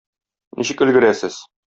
Ничек өлгерәсез?